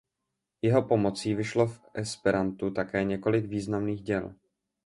Jeho pomocí vyšlo v esperantu také několik významných děl.